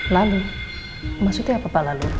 lalu maksudnya apa pak lalu